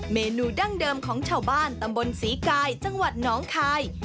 เมนูดั้งเดิมของชาวบ้านตำบลศรีกายจังหวัดน้องคาย